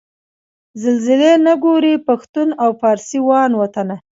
زلزلې نه ګوري پښتون او فارسي وان وطنه